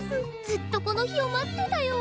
ずっとこの日を待ってたよ。